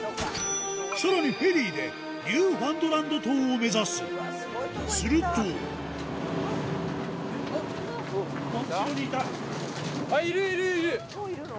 さらにフェリーでニューファンドランド島を目指すするともういるの？